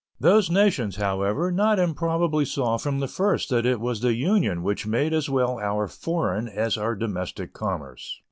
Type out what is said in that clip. Those nations, however, not improbably saw from the first that it was the Union which made as well our foreign as our domestic commerce.